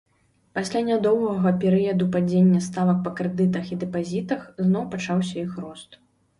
Пасля нядоўгага перыяду падзення ставак па крэдытах і дэпазітах зноў пачаўся іх рост.